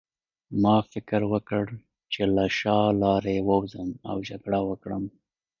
ما فکر وکړ چې له شا لارې ووځم او جګړه وکړم